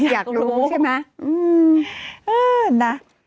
อยากรู้อยากรู้ใช่ไหม